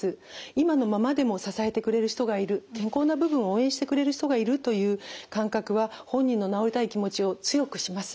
今のままでも支えてくれる人がいる健康な部分を応援してくれる人がいるという感覚は本人の治りたい気持ちを強くします。